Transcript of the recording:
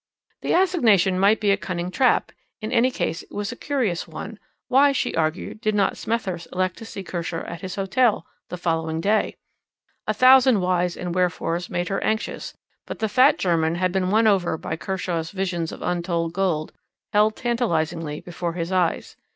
"The assignation might be a cunning trap, in any case it was a curious one; why, she argued, did not Smethurst elect to see Kershaw at his hotel the following day? A thousand whys and wherefores made her anxious, but the fat German had been won over by Kershaw's visions of untold gold, held tantalisingly before his eyes.